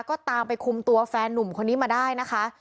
ก็ตามไปคุมตัวแฟนนุ่มคนนี้มาได้นะคะ